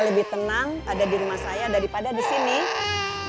sayang nangis terus laper kayaknya